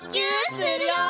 するよ！